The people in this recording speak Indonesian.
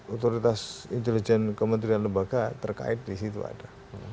otoritas intelijen kementerian lembaga terkait di situ ada